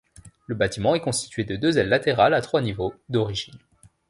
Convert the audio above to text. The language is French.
Le bâtiment est constitué de deux ailes latérales à trois niveaux, d'origine.